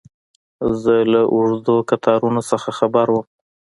زه له اوږدو کتارونو څه خبر وم.